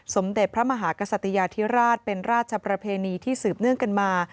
สมเด็จพระมหากษัตยาธิราชเป็นราชประเพณีที่สืบเนื่องกันมา